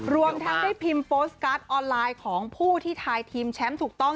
รวมทั้งได้พิมพ์โฟสการ์ดออนไลน์ของผู้ที่ทายทีมแชมป์ถูกต้อง